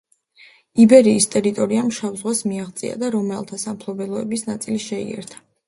იბერიის ტერიტორიამ შავ ზღვას მიაღწია და რომაელთა სამფლობელოების ნაწილი შეიერთა.